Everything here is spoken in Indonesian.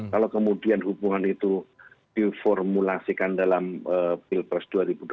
kalau kemudian hubungan itu diformulasikan dalam pilpres dua ribu dua puluh